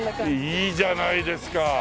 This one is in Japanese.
いいじゃないですか！